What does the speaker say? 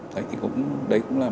đấy cũng là mong